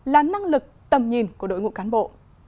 là năng lực tầm nhìn của đội ngũ cán bộ